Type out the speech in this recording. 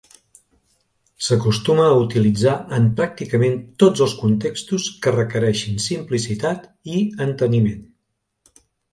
S'acostuma a utilitzar en pràcticament tots els contextos que requereixin simplicitat i enteniment.